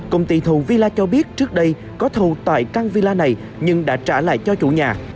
công ty thầu villa cho biết trước đây có thầu tại căn villa này nhưng đã trả lại cho chủ nhà